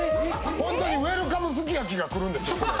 ほんとにウエルカムすき焼きがくるんですよこれ。